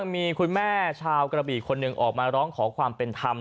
มีคุณแม่ชาวกระบีคนหนึ่งออกมาร้องขอความเป็นธรรม